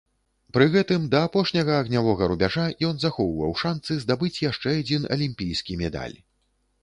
Пры гэтым, да апошняга агнявога рубяжа ён захоўваў шанцы здабыць яшчэ адзін алімпійскі медаль.